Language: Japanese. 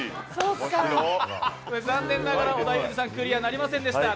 残念ながら織田裕二さん、クリアなりませんでした。